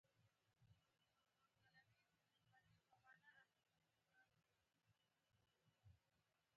اکبر زمینداوری د مخکښو شاعرانو له جملې څخه وو.